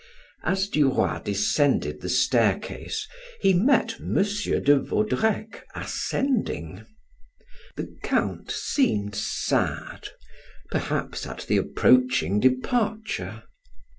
As Duroy descended the staircase, he met M. de Vaudrec ascending. The Count seemed sad perhaps at the approaching departure.